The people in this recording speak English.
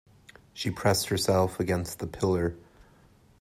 She pressed herself against the pillar.